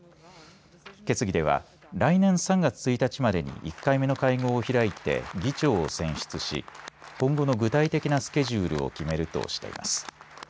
決議では、来年３月１日までに１回目の会合を開いて議長を選出し今後の具体的なスケジュールを決めるとしています。